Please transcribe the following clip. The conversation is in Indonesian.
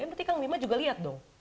berarti kang bima juga lihat dong